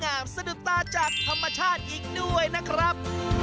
สะดุดตาจากธรรมชาติอีกด้วยนะครับ